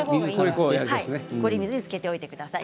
氷水につけておいてください。